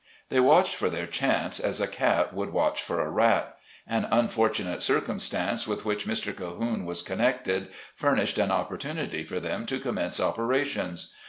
They watched for their chance as a cat would watch for a rat. An unfortunate circumstance with which Mr. Cahoone was connected, furnished an opportunity for them to commence operations.